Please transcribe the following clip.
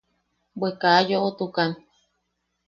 –Bwe... kaa yoʼotukan.